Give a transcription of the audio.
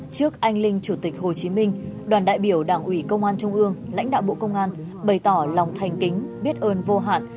trước anh linh chủ tịch hồ chí minh đoàn đại biểu đảng ủy công an trung ương lãnh đạo bộ công an bày tỏ lòng thành kính biết ơn vô hạn